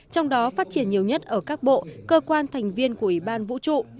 trong đó phát triển nhiều nhất ở các bộ cơ quan thành viên của ủy ban vũ trụ